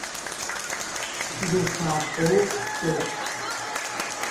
Гухахъоу шъошх!